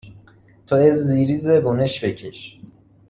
تو از زیر زبونش بکش